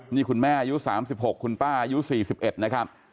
นี่คุณแม่อายุ๓๖คุณป้าอายุ๔๑นะครับ